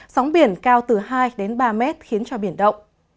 sóng biển cao từ hai đến ba mét khiến cho biển động